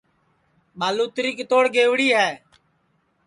ٻالوتری کِتوڑ گئوڑی ہے